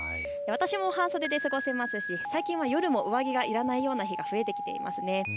私も半袖で過ごせますし、最近は夜も上着がいらないような日が増えてきていますね。